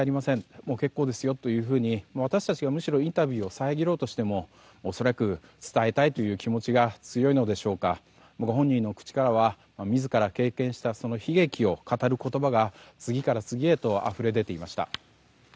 もう結構ですよというふうに私たちはむしろインタビューを遮ろうとしても恐らく伝えたいという気持ちが強いのでしょうかご本人の口からは自ら経験した悲劇を語る言葉が次から次へとあふれ出ていました。